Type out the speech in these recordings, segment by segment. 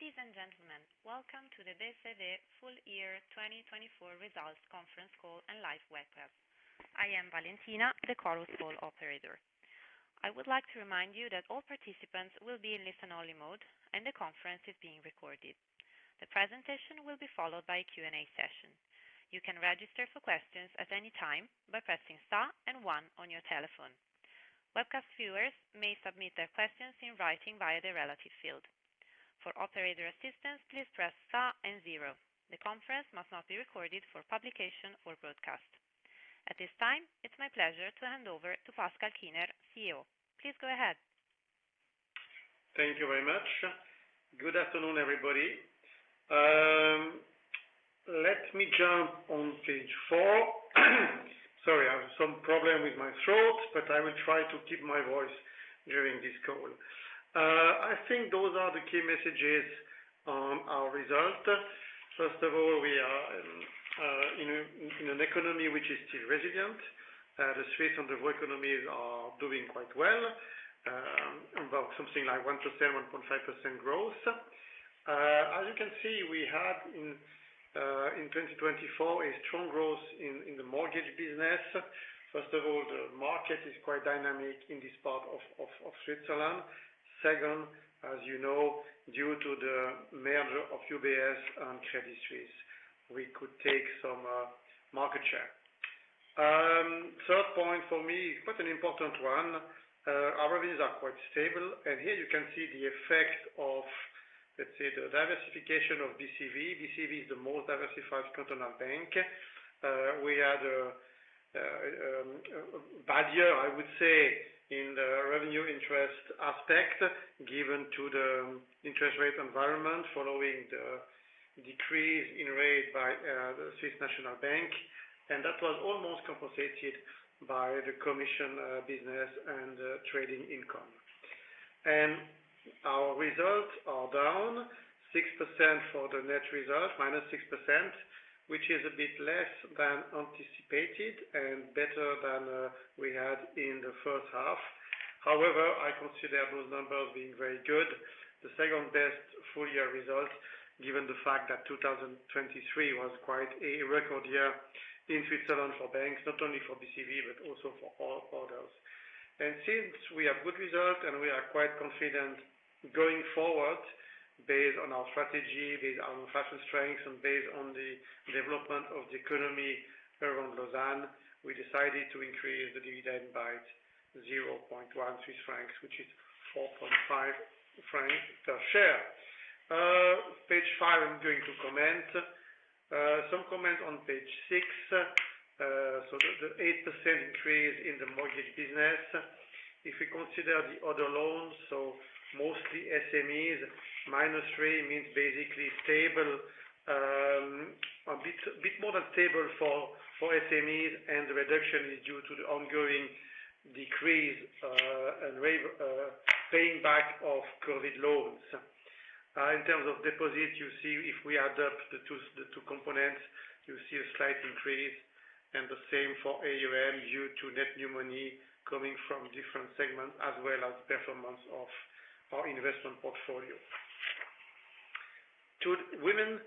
Ladies and gentlemen, welcome to the BCV Full Year 2024 Results Conference Call and Live Webcast. I am Valentina, the call operator. I would like to remind you that all participants will be in listen-only mode, and the conference is being recorded. The presentation will be followed by a Q&A session. You can register for questions at any time by pressing star and one on your telephone. Webcast viewers may submit their questions in writing via the relevant field. For operator assistance, please press star and zero. The conference must not be recorded for publication or broadcast. At this time, it's my pleasure to hand over to Pascal Kiener, CEO. Please go ahead. Thank you very much. Good afternoon, everybody. Let me jump on page four. Sorry, I have some problem with my throat, but I will try to keep my voice during this call. I think those are the key messages on our result. First of all, we are in an economy which is still resilient. The Swiss and the world economies are doing quite well, about something like 1%, 1.5% growth. As you can see, we had in 2024 a strong growth in the mortgage business. First of all, the market is quite dynamic in this part of Switzerland. Second, as you know, due to the merger of UBS and Credit Suisse, we could take some market share. Third point for me is quite an important one. Our revenues are quite stable, and here you can see the effect of, let's say, the diversification of BCV. BCV is the most diversified cantonal bank. We had a bad year, I would say, in the revenue interest aspect, given to the interest rate environment following the decrease in rate by the Swiss National Bank, and that was almost compensated by the commission business and trading income, and our results are down 6% for the net result, minus 6%, which is a bit less than anticipated and better than we had in the first half. However, I consider those numbers being very good. The second best full-year result, given the fact that 2023 was quite a record year in Switzerland for banks, not only for BCV, but also for all others. Since we have good results and we are quite confident going forward, based on our strategy, based on our financial strengths, and based on the development of the economy around Lausanne, we decided to increase the dividend by 0.1 francs, which is 4.5 francs per share. Page five, I'm going to comment. Some comments on page six. The 8% increase in the mortgage business. If we consider the other loans, so mostly SMEs, minus three means basically stable, a bit more than stable for SMEs, and the reduction is due to the ongoing decrease and paying back of COVID loans. In terms of deposits, you see if we add up the two components, you see a slight increase, and the same for AUM due to net new money coming from different segments, as well as the performance of our investment portfolio. Two women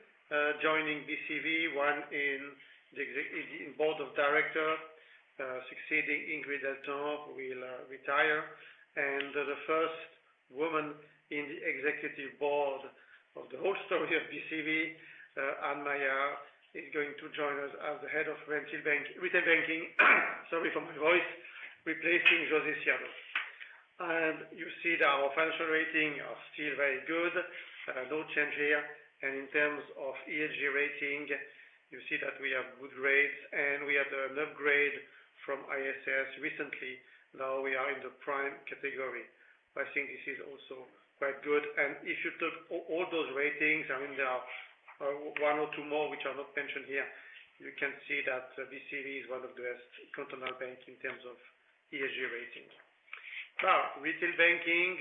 joining BCV, one in the Board of Directors, succeeding Ingrid Deltenre, who will retire. And the first woman in the Executive Board of the whole story of BCV, Anne Maillard, is going to join us as the head of retail banking, sorry for my voice, replacing José Ciano. And you see that our financial ratings are still very good, no change here. And in terms of ESG rating, you see that we have good rates, and we had an upgrade from ISS recently. Now we are in the Prime category. I think this is also quite good. And if you took all those ratings, I mean, there are one or two more which are not mentioned here, you can see that BCV is one of the best cantonal banks in terms of ESG rating. Now, retail banking,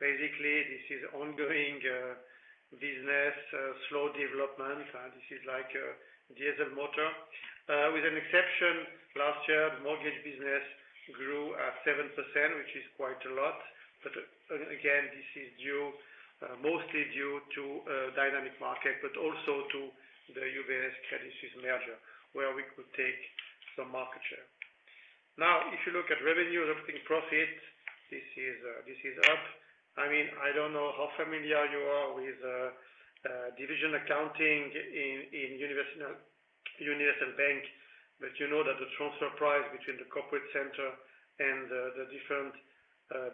basically, this is an ongoing business, slow development. This is like diesel motor. With an exception, last year, the mortgage business grew at seven%, which is quite a lot. But again, this is mostly due to a dynamic market, but also to the UBS-Credit Suisse merger, where we could take some market share. Now, if you look at revenues, everything, profits, this is up. I mean, I don't know how familiar you are with division accounting in universal bank, but you know that the transfer price between the Corporate Center and the different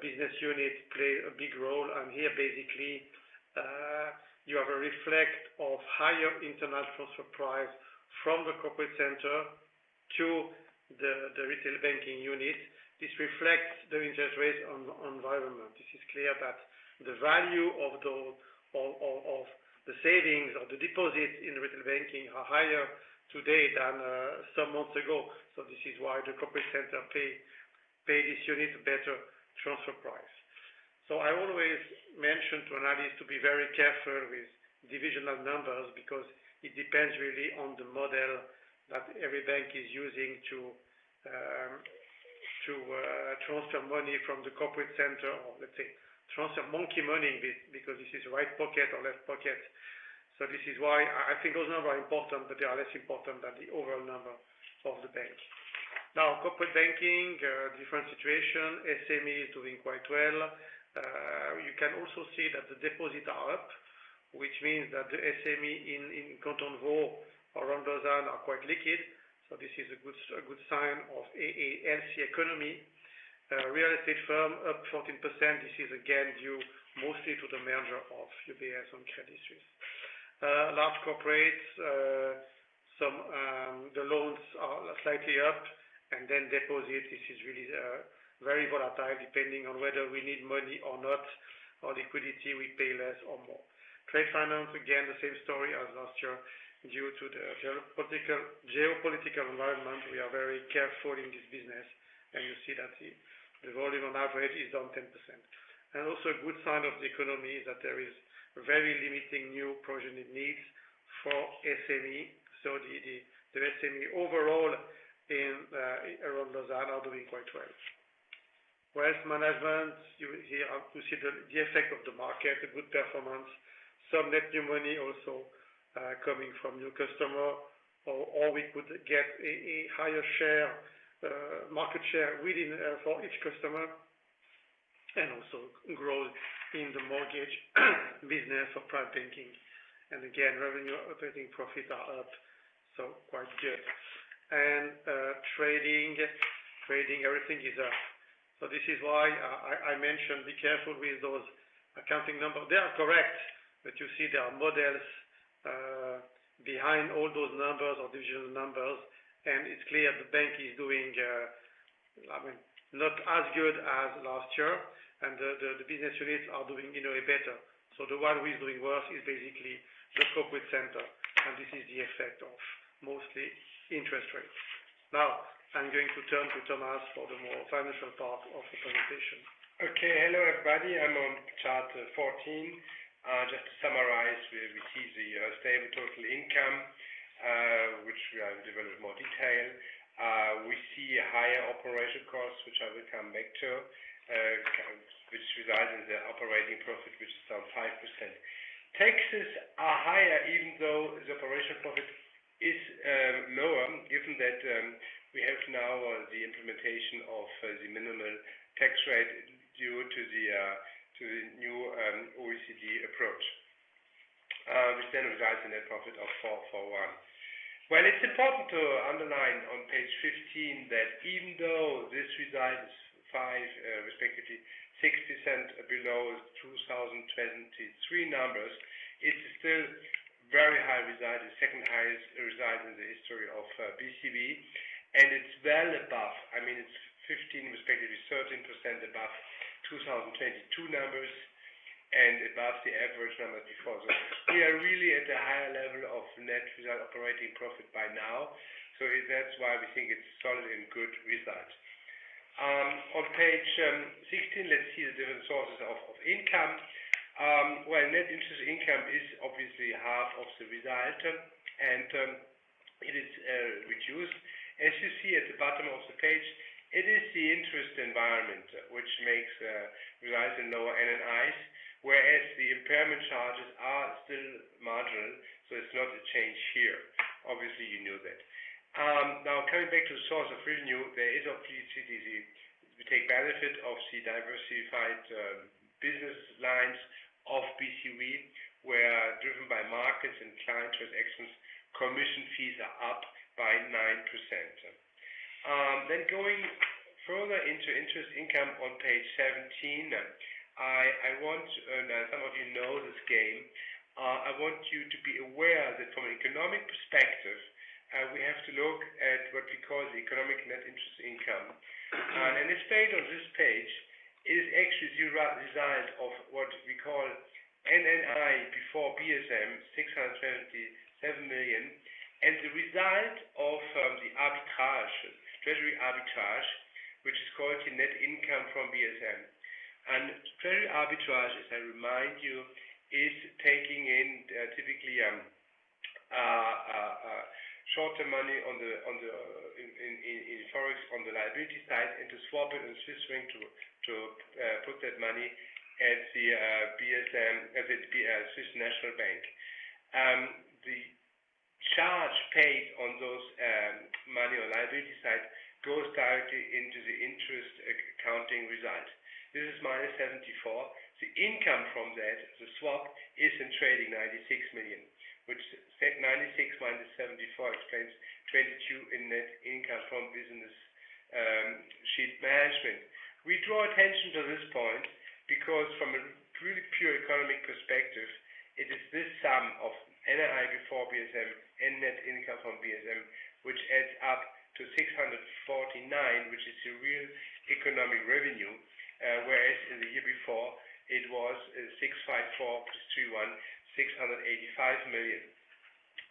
business units plays a big role. And here, basically, you have a reflection of higher interest transfer price from the Corporate Center to the retail banking unit. This reflects the interest rate environment. This is clear that the value of the savings or the deposits in retail banking are higher today than some months ago. So this is why the Corporate Center paid this unit a better transfer price. I always mention to analysts to be very careful with divisional numbers because it depends really on the model that every bank is using to transfer money from the Corporate Center or, let's say, transfer monkey money because this is right pocket or left pocket. So this is why I think those numbers are important, but they are less important than the overall number of the bank. Now, corporate banking, different situation. SME is doing quite well. You can also see that the deposits are up, which means that the SME in Canton Vaud or around Lausanne are quite liquid. So this is a good sign of Vaud economy. Real estate firm up 14%. This is again due mostly to the merger of UBS and Credit Suisse. Large corporates, the loans are slightly up, and then deposits. This is really very volatile depending on whether we need money or not, or liquidity. We pay less or more. Trade finance, again, the same story as last year. Due to the geopolitical environment, we are very careful in this business. You see that the volume on average is down 10%. Also, a good sign of the economy is that there is very limited new financing needs for SME. So the SME overall around Lausanne are doing quite well. Wealth management, you see the effect of the market, the good performance. Some net new money also coming from new customers, or we could get a higher market share for each customer. Also, growth in the mortgage business or private banking. Again, revenue, operating profits are up, so quite good. Trading, everything is up. So this is why I mentioned be careful with those accounting numbers. They are correct, but you see there are models behind all those numbers or divisional numbers. And it's clear the bank is doing, I mean, not as good as last year. And the business units are doing better. So the one who is doing worse is basically the Corporate Center. And this is the effect of mostly interest rates. Now, I'm going to turn to Thomas for the more financial part of the presentation. Okay. Hello, everybody. I'm on chart 14. Just to summarize, we see the stable total income, which we have developed in more detail. We see higher operation costs, which I will come back to, which resides in the operating profit, which is down 5%. Taxes are higher, even though the operation profit is lower, given that we have now the implementation of the minimal tax rate due to the new OECD approach, which then resides in the profit of 441. It's important to underline on page 15 that even though this resides 5%, respectively 6% below 2023 numbers, it's still very high, residing second highest, residing in the history of BCV. It's well above, I mean, it's 15%, respectively 13% above 2022 numbers and above the average numbers before. We are really at a higher level of net result operating profit by now. That's why we think it's a solid and good result. On page 16, let's see the different sources of income. Net interest income is obviously half of the result, and it is reduced. As you see at the bottom of the page, it is the interest environment which makes results in lower NIIs, whereas the impairment charges are still marginal. It's not a change here. Obviously, you knew that. Now, coming back to the source of revenue, there is obviously we take benefit of the diversified business lines of BCV, where driven by markets and client transactions, commission fees are up by 9%. Going further into interest income on page 17, I want to, and some of you know this game, I want you to be aware that from an economic perspective, we have to look at what we call the economic net interest income. It’s paid on this page. It is actually the result of what we call NII before BSM, 677 million. And the result of the arbitrage, treasury arbitrage, which is called net income from BSM. And treasury arbitrage, as I remind you, is taking in typically short-term money in forex on the liability side and to swap it into Swiss francs to put that money at the BSM, at the Swiss National Bank. The charge paid on that money on liability side goes directly into the interest accounting result. This is -74. The income from that, the swap, is in trading 96 million, which 96 minus 74 explains 22 in net income from balance sheet management. We draw attention to this point because from a really pure economic perspective, it is this sum of NII before BSM and net income from BSM, which adds up to 649, which is a real economic revenue, whereas in the year before, it was 654 plus 31, 685 million,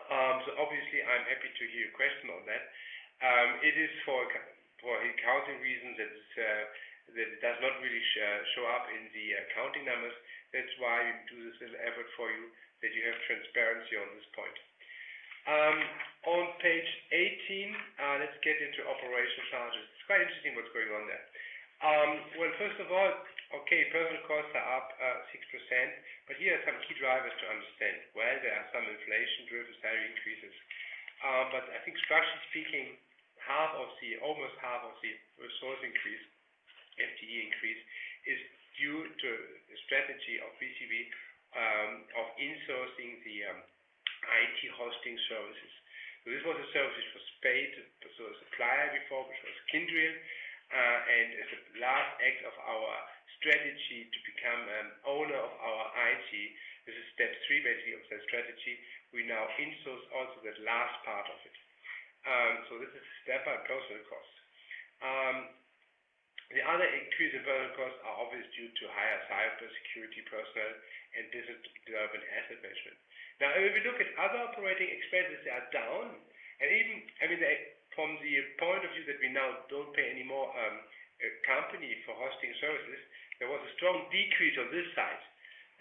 so obviously, I'm happy to hear your question on that. It is for accounting reasons that it does not really show up in the accounting numbers. That's why we do this little effort for you, that you have transparency on this point. On page 18, let's get into operation charges. It's quite interesting what's going on there, well, first of all, okay, personal costs are up 6%, but here are some key drivers to understand, well, there are some inflation-driven salary increases. I think, structurally speaking, half of the, almost half of the resource increase, FTE increase, is due to the strategy of BCV of insourcing the IT hosting services. So this was a service which was paid to the supplier before, which was Kyndryl. And as a last act of our strategy to become an owner of our IT, this is step three, basically, of that strategy. We now insource also that last part of it. So this is a step by personnel cost. The other increase in personnel costs are obviously due to higher cyber security personnel and business development asset management. Now, if we look at other operating expenses, they are down. And even, I mean, from the point of view that we now don't pay any more company for hosting services, there was a strong decrease on this side.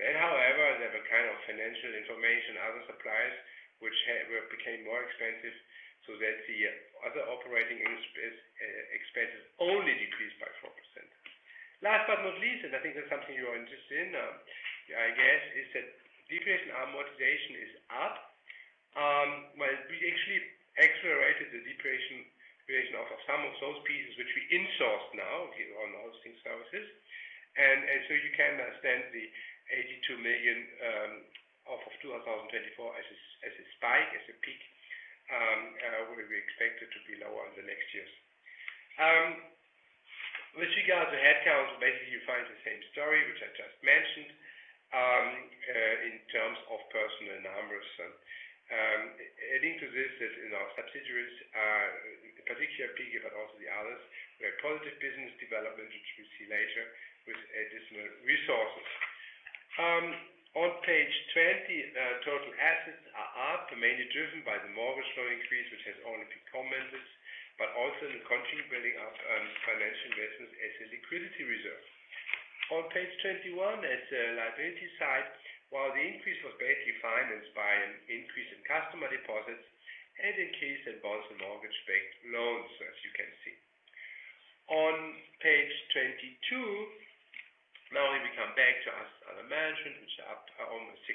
Then, however, there were kind of financial information, other suppliers, which became more expensive. So that's the other operating expenses only decreased by 4%. Last but not least, and I think that's something you're interested in, I guess, is that depreciation amortization is up. Well, we actually accelerated the depreciation of some of those pieces, which we insource now on hosting services. And so you can understand the 82 million of 2024 as a spike, as a peak, where we expect it to be lower in the next years. With regards to headcount, basically, you find the same story, which I just mentioned, in terms of personnel numbers. Adding to this that in our subsidiaries, particularly Piguet Galland, but also the others, we have positive business development, which we see later with additional resources. On page 20, total assets are up, mainly driven by the mortgage loan increase, which has only become mentioned, but also in the continuing building of financial investments as a liquidity reserve. On page 21, at the liability side, while the increase was basically financed by an increase in customer deposits, it increased in bonds and mortgage-backed loans, as you can see. On page 22, now we come back to asset management, which is up almost 6%.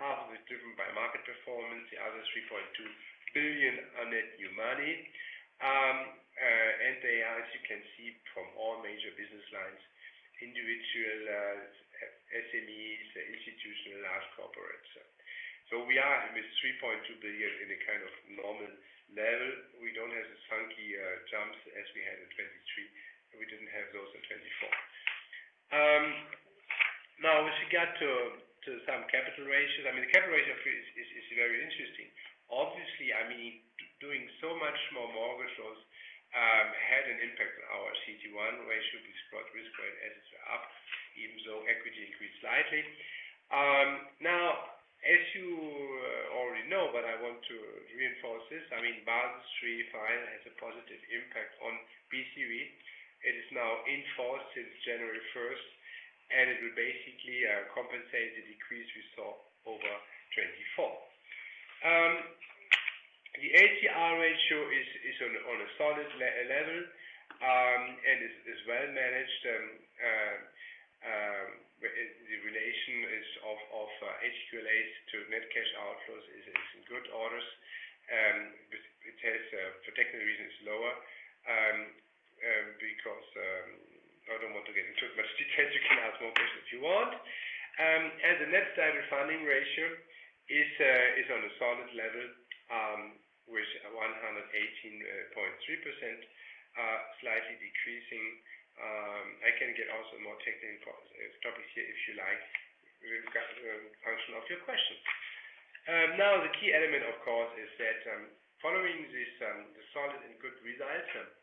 Half of it driven by market performance, the other 3.2 billion on net new money. And they are, as you can see, from all major business lines, individual SMEs, institutional, large corporates. So we are with 3.2 billion in a kind of normal level. We don't have the lumpy jumps as we had in 2023. We didn't have those in 2024. Now, if we get to some capital ratios, I mean, the capital ratio is very interesting. Obviously, I mean, doing so much more mortgage loans had an impact on our CET1 ratio, which brought risk-weighted assets up, even though equity increased slightly. Now, as you already know, but I want to reinforce this, I mean, Basel III framework has a positive impact on BCV. It is now in force since January 1st, and it will basically compensate the decrease we saw over 2024. The LCR is on a solid level and is well managed. The relation of HQLAs to net cash outflows is in good order. It has, for technical reasons, lower because I don't want to get into it, but you can ask more questions if you want, and the net stable funding ratio is on a solid level, which is 118.3%, slightly decreasing. I can get also more technical topics here if you like, function of your questions. Now, the key element, of course, is that following the solid and good results,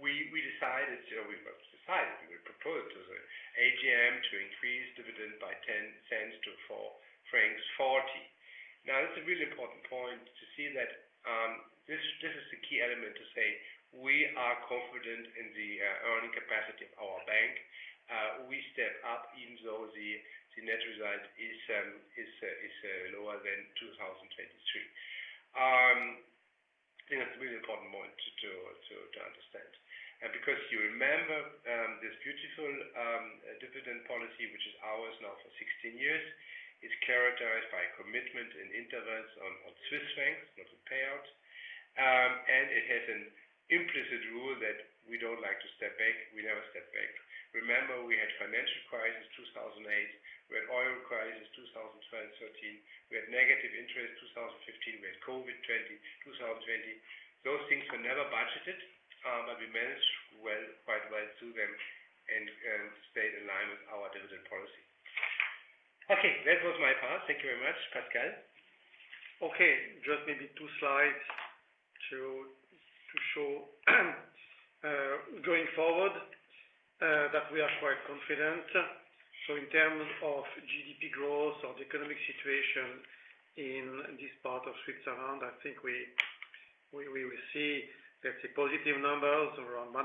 we decided, or we decided, we proposed to the AGM to increase dividend by 10 cents to 4.40 francs. Now, it's a really important point to see that this is the key element to say we are confident in the earning capacity of our bank. We step up, even though the net result is lower than 2023. I think that's a really important point to understand. And because you remember this beautiful dividend policy, which is ours now for 16 years, is characterized by commitment and intervals on Swiss francs, not on payout. And it has an implicit rule that we don't like to step back. We never step back. Remember, we had financial crisis 2008. We had oil crisis 2012, 2013. We had negative interest 2015. We had COVID 2020. Those things were never budgeted, but we managed quite well through them and stayed in line with our dividend policy. Okay. That was my part. Thank you very much, Pascal. Okay. Just maybe two slides to show going forward that we are quite confident. So in terms of GDP growth or the economic situation in this part of Switzerland, I think we will see, let's say, positive numbers around 1%.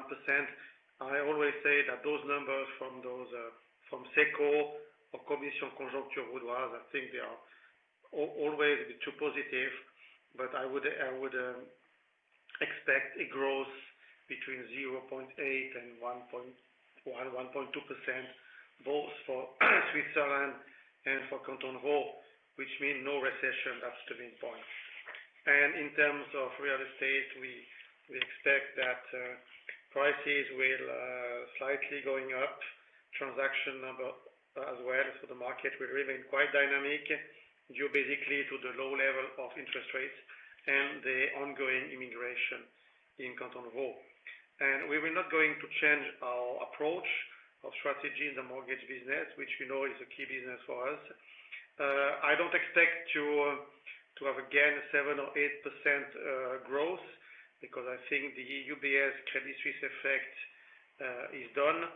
I always say that those numbers from SECO or Commission de Conjoncture Vaudoise, I think they are always a bit too positive. But I would expect a growth between 0.8 and 1.2%, both for Switzerland and for Canton Vaud, which means no recession. That's the main point. And in terms of real estate, we expect that prices will slightly go up. Transaction number as well for the market will remain quite dynamic due basically to the low level of interest rates and the ongoing immigration in Canton Vaud. We were not going to change our approach or strategy in the mortgage business, which we know is a key business for us. I don't expect to have again a 7% or 8% growth because I think the UBS Credit Suisse effect is done.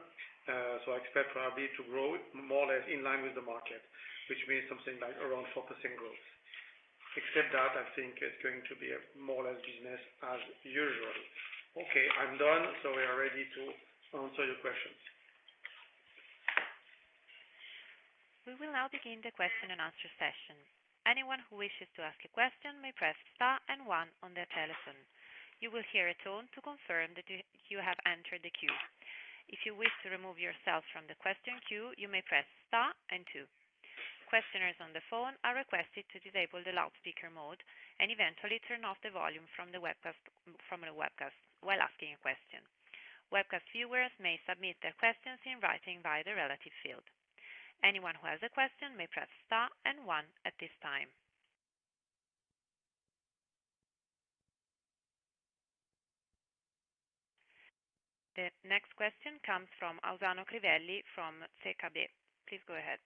I expect probably to grow more or less in line with the market, which means something like around 4% growth. Except that I think it's going to be more or less business as usual. Okay. I'm done. We are ready to answer your questions. We will now begin the question and answer session. Anyone who wishes to ask a question may press star and one on their telephone. You will hear a tone to confirm that you have entered the queue. If you wish to remove yourself from the question queue, you may press star and two. Questioners on the phone are requested to disable the loudspeaker mode and eventually turn off the volume from the webcast while asking a question. Webcast viewers may submit their questions in writing via the relative field. Anyone who has a question may press star and one at this time. The next question comes from Ausano Crivelli from ZKB. Please go ahead.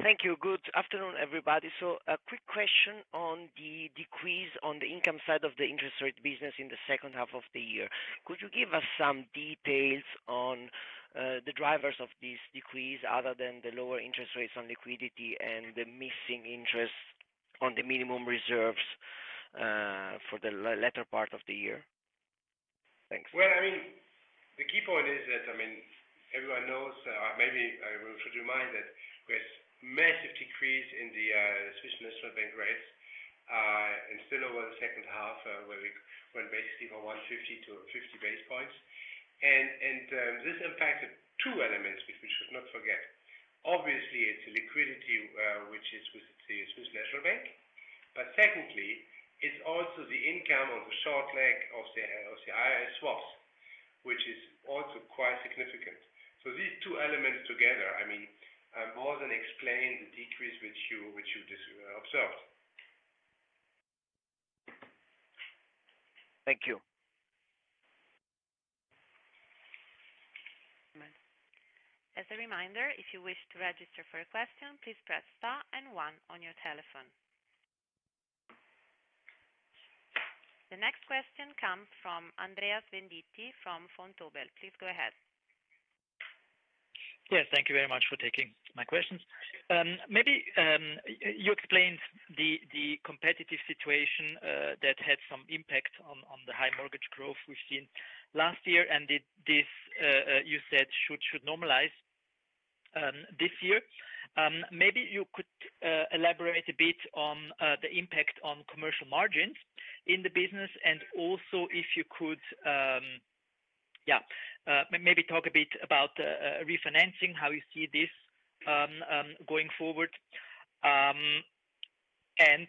Thank you. Good afternoon, everybody. So a quick question on the decrease on the income side of the interest rate business in the second half of the year. Could you give us some details on the drivers of this decrease other than the lower interest rates on liquidity and the missing interest on the minimum reserves for the latter part of the year? Thanks. Well, I mean, the key point is that, I mean, everyone knows, maybe I will remind that there's a massive decrease in the Swiss National Bank rates, and still over the second half, where we went basically from 150 to 50 basis points, and this impacted two elements, which we should not forget. Obviously, it's liquidity, which is with the Swiss National Bank, but secondly, it's also the income on the short leg of the IRS swaps, which is also quite significant, so these two elements together, I mean, more than explain the decrease which you observed. Thank you. As a reminder, if you wish to register for a question, please press star and one on your telephone. The next question comes from Andreas Venditti from Vontobel. Please go ahead. Yes. Thank you very much for taking my questions. Maybe you explained the competitive situation that had some impact on the high mortgage growth we've seen last year, and this, you said, should normalize this year. Maybe you could elaborate a bit on the impact on commercial margins in the business, and also if you could, yeah, maybe talk a bit about refinancing, how you see this going forward, and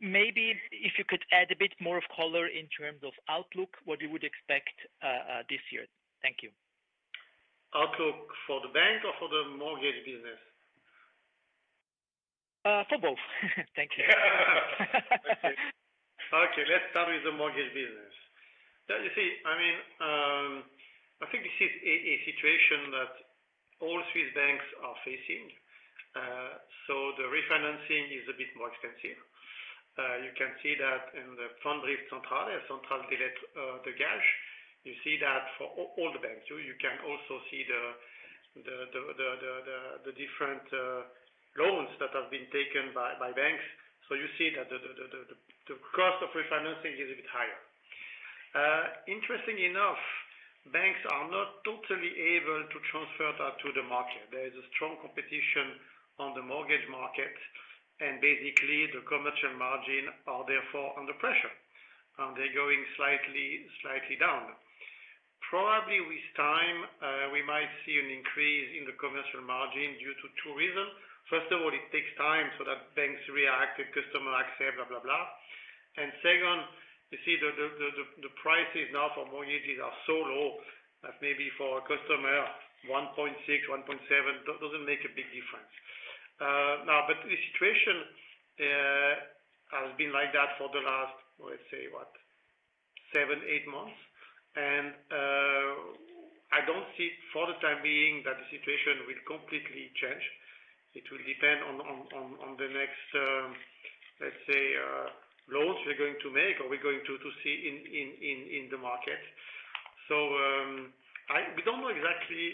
maybe if you could add a bit more of color in terms of outlook, what you would expect this year. Thank you. Outlook for the bank or for the mortgage business? For both. Thank you. Thank you. Okay. Let's start with the mortgage business. You see, I mean, I think this is a situation that all Swiss banks are facing. So the refinancing is a bit more expensive. You can see that in the Centrale de lettres de gage. You see that for all the banks. You can also see the different loans that have been taken by banks. So you see that the cost of refinancing is a bit higher. Interesting enough, banks are not totally able to transfer that to the market. There is a strong competition on the mortgage market, and basically, the commercial margins are therefore under pressure. They're going slightly down. Probably with time, we might see an increase in the commercial margin due to two reasons. First of all, it takes time so that banks react, and customers accept, blah, blah, blah. Second, you see, the prices now for mortgages are so low that maybe for a customer, 1.6%-1.7%, doesn't make a big difference. But the situation has been like that for the last, let's say, what, seven, eight months. And I don't see for the time being that the situation will completely change. It will depend on the next, let's say, loans we're going to make or we're going to see in the market. So we don't know exactly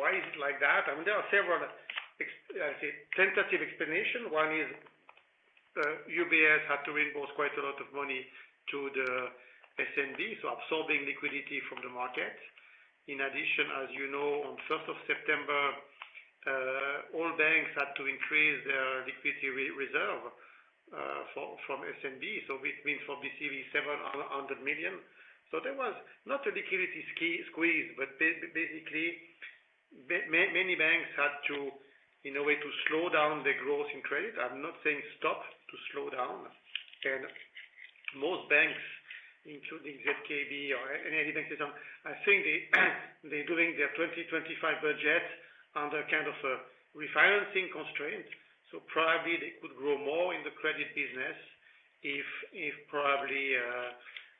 why it's like that. I mean, there are several, I say, tentative explanations. One is UBS had to reimburse quite a lot of money to the SNB, so absorbing liquidity from the market. In addition, as you know, on 1st of September, all banks had to increase their liquidity reserve from SNB. So it means for BCV, 700 million. So there was not a liquidity squeeze, but basically, many banks had to, in a way, slow down their growth in credit. I'm not saying stop, to slow down. And most banks, including ZKB or any bank system, I think they're doing their 2025 budgets under kind of a refinancing constraint. So probably they could grow more in the credit business if probably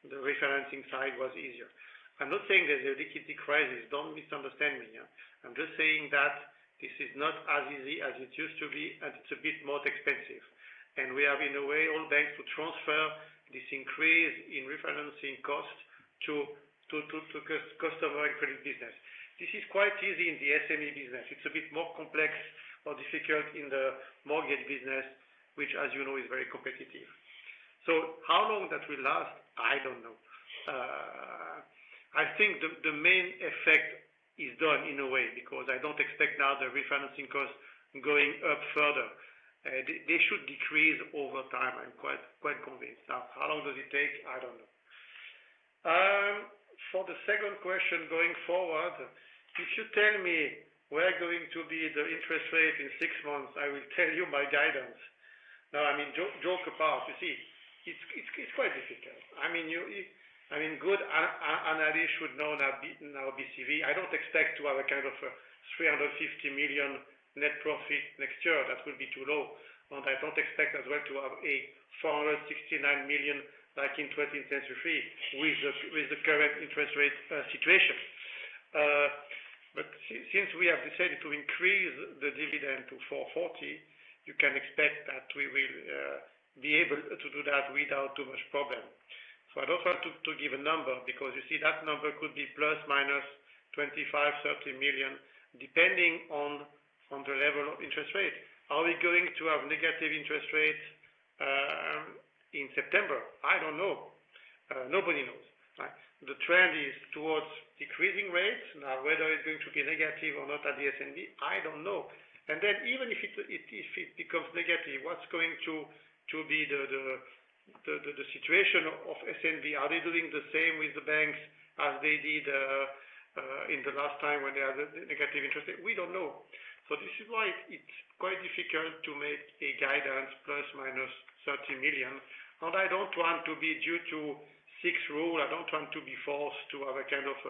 the refinancing side was easier. I'm not saying there's a liquidity crisis. Don't misunderstand me. I'm just saying that this is not as easy as it used to be, and it's a bit more expensive. And we have, in a way, all banks to transfer this increase in refinancing cost to customer and credit business. This is quite easy in the SME business. It's a bit more complex or difficult in the mortgage business, which, as you know, is very competitive. How long that will last, I don't know. I think the main effect is done, in a way, because I don't expect now the refinancing costs going up further. They should decrease over time. I'm quite convinced. How long does it take? I don't know. For the second question going forward, if you tell me where it's going to be the interest rate in six months, I will tell you my guidance. No, I mean, joking apart. You see, it's quite difficult. I mean, good analysts should know now BCV. I don't expect to have a kind of 350 million net profit next year. That would be too low. I don't expect as well to have a 469 million like in 2023 with the current interest rate situation. But since we have decided to increase the dividend to 440, you can expect that we will be able to do that without too much problem. So I don't want to give a number because you see that number could be plus minus 25 million-30 million, depending on the level of interest rate. Are we going to have negative interest rates in September? I don't know. Nobody knows. The trend is towards decreasing rates. Now, whether it's going to be negative or not at the SNB, I don't know. And then even if it becomes negative, what's going to be the situation of SNB? Are they doing the same with the banks as they did in the last time when they had negative interest rate? We don't know. So this is why it's quite difficult to make a guidance plus minus 30 million. And I don't want to be due to SIX rules. I don't want to be forced to have a kind of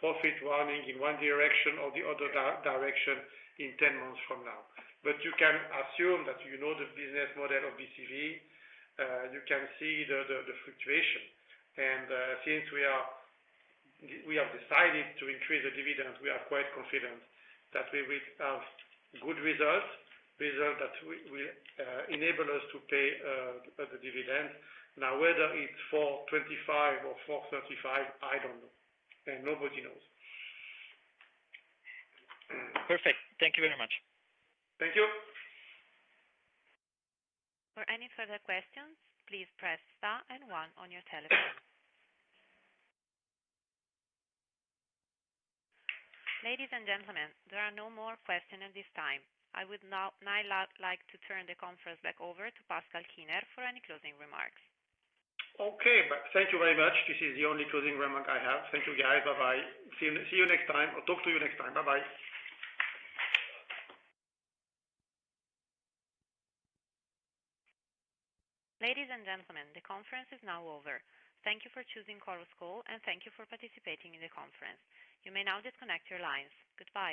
profit warning in one direction or the other direction in 10 months from now. But you can assume that you know the business model of BCV. You can see the fluctuation. And since we have decided to increase the dividend, we are quite confident that we will have good results, results that will enable us to pay the dividend. Now, whether it's 4.25 or 4.35, I don't know. And nobody knows. Perfect. Thank you very much. Thank you. For any further questions, please press star and one on your telephone. Ladies and gentlemen, there are no more questions at this time. I would now like to turn the conference back over to Pascal Kiener for any closing remarks. Okay. Thank you very much. This is the only closing remark I have. Thank you, guys. Bye-bye. See you next time or talk to you next time. Bye-bye. Ladies and gentlemen, the conference is now over. Thank you for choosing Chorus Call, and thank you for participating in the conference. You may now disconnect your lines. Goodbye.